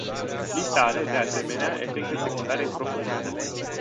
Lista are, de asemenea, efecte secundare profunde.